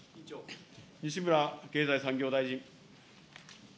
西村経済産業大臣。